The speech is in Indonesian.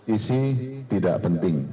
isi tidak penting